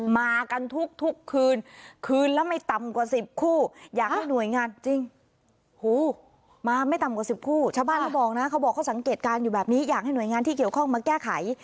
มากันทุกคืนคืนละไม่ต่ำกว่า๑๐คู่อยากให้หน่วยงานจริงมาไม่ต่ำกว่า๑๐คู่ชาวบ้านเขาบอกนะเขาบอกเขาสังเกตการณ์อยู่แบบนี้อยากให้หน่วยงานที่เกี่ยวข้องมาแก้ไข